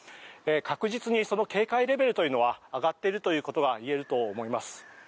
確実にその警戒レベルというのが上がっているということは言えると思います。